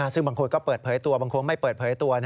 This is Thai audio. ซึ่งบางคนก็เปิดเปลื้อยตัวบางคนไม่เปิดเปลื้อยตัว